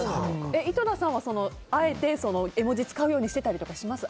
井戸田さんはあえて絵文字使うようにしてたりしてます？